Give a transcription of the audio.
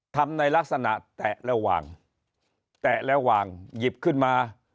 ทำในลักษณะแตะระหว่างแตะระหว่างหยิบขึ้นมา